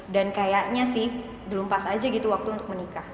kayaknya sih belum pas aja gitu waktu untuk menikah